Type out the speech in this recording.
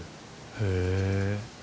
へえ。